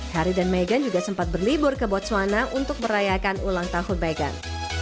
harry dan meghan juga sempat berlibur ke botswana untuk merayakan ulang tahun meghan